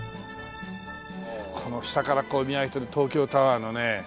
この下から見上げてる東京タワーのね